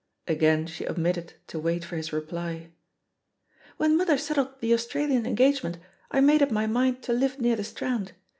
Again she omitted to wait for his reply. "When mother settled the Australian engagement, I made up my mind to live near the Strand.